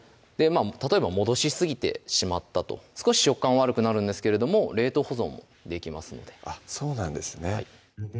例えば戻しすぎてしまったと少し食感悪くなるんですけれども冷凍保存もできますのであっそうなんですね